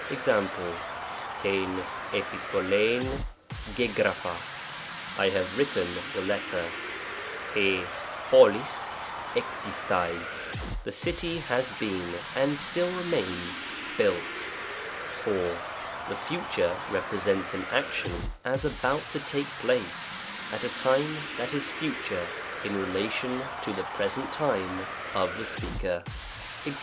Ex,^ rrjv €i:iOvoXrjv ytyQacfu^ " I have written the letter ;" r] TtoXig t^noraiy " the city has been, and still remains, built." 4. The Future represents an action as about to take place, at a time that is future in relation to the present time of the speaker, ^a?.